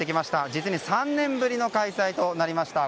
実に３年ぶりの開催となりました。